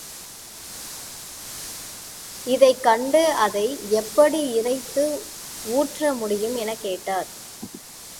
இதைக் கொண்டு அதை எப்படி இறைத்து, ஊற்ற முடியும் எனக் கேட்டார்.